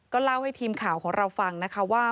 เล่าให้ทีมข่าวของเราฟังนะคะว่า